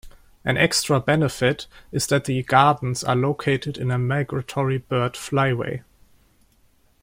An extra benefit is that the gardens are located in a migratory bird flyway.